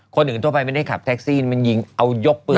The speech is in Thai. คนอื่นทั่วไปไม่ได้ขับแท็กซี่มันยิงเอายกปืน